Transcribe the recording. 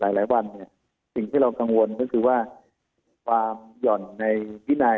หลายวันเนี่ยสิ่งที่เรากังวลก็คือว่าความหย่อนในวินัย